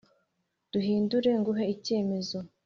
duhindure nguhe icyemezo,